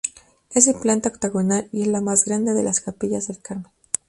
Es de planta octagonal y es la más grande de las capillas del Carmen.